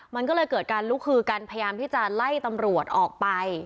มันก็เลยเกิดการลุกคือกันพยายามที่จะไล่ตำรวจออกไป